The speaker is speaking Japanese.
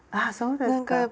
あそうですか。